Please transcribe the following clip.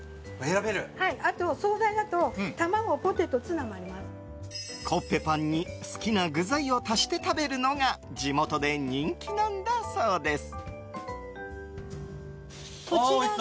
あとお総菜だと卵、ポテトコッペパンに好きな具材を足して食べるのが地元で人気なんだそうです。